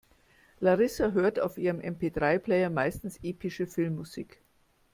Larissa hört auf ihrem MP-drei-Player meistens epische Filmmusik.